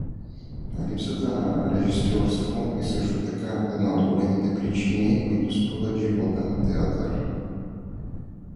Липсата на режисьорство е също една от големите причини, които спъват живота на театъра.